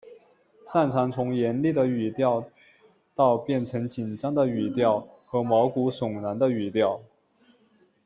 善长从严厉的语调到变成紧张的语调和毛骨悚然的语调。